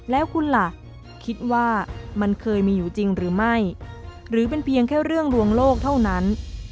แล้วคุณล่ะคิดว่ามันเคยมีอยู่จริงหรือไม่หรือเป็นเพียงแค่เรื่องลวงโลกเท่านั้น